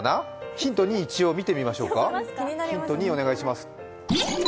ヒント２、一応見てみましょうか。